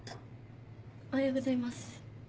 おはようございます。